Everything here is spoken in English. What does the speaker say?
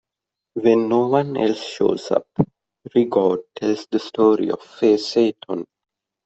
When no one else shows up, Rigaud tells the story of Fay Seton.